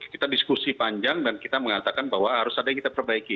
kita diskusi panjang dan kita mengatakan bahwa harus ada yang kita perbaiki